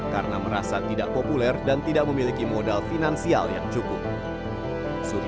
karena merasa tidak populer dan tidak memiliki kemampuan untuk memiliki kemampuan terkaitnya